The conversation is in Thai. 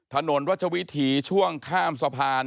ถนนรัชวิถีช่วงข้ามสะพาน